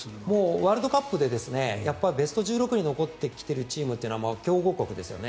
ワールドカップでベスト１６に残ってきてるチームというのは強豪国ですよね。